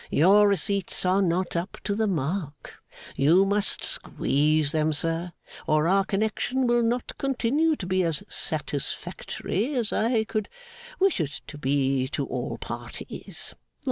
Your receipts are not up to the mark. You must squeeze them, sir, or our connection will not continue to be as satisfactory as I could wish it to be to all parties.